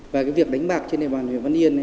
và việc đánh bạc trên địa bàn huấn yên